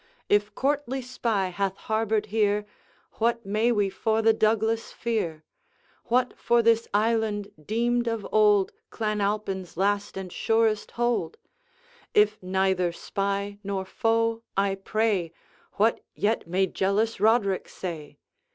If courtly spy hath harbored here, What may we for the Douglas fear? What for this island, deemed of old Clan Alpine's last and surest hold? If neither spy nor foe, I pray What yet may jealous Roderick say?